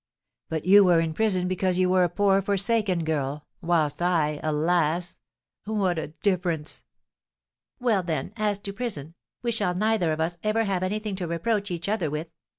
"But you were in prison because you were a poor forsaken girl; whilst I alas, what a difference!" "Well, then, as to prison, we shall neither of us ever have anything to reproach each other with.